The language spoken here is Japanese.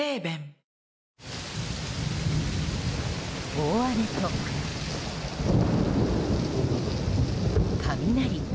大雨と雷。